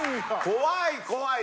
怖い怖い。